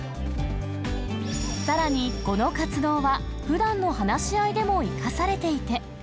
さらに、この活動はふだんの話し合いでも生かされていて。